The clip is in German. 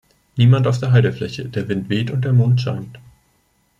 Niemand auf der Heidefläche; der Wind weht, und der Mond scheint.